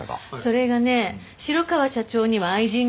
それがね城川社長には愛人がいたの。